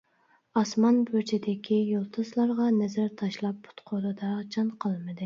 ئاسمان بۇرجىدىكى يۇلتۇزلارغا نەزەر تاشلاپ پۇت-قولىدا جان قالمىدى.